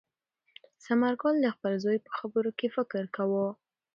ثمر ګل د خپل زوی په خبرو کې فکر کاوه.